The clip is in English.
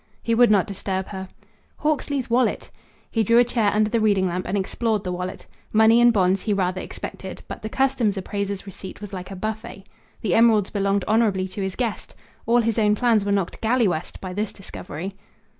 He would not disturb her. Hawksley's wallet! He drew a chair under the reading lamp and explored the wallet. Money and bonds he rather expected, but the customs appraiser's receipt was like a buffet. The emeralds belonged honorably to his guest! All his own plans were knocked galley west by this discovery.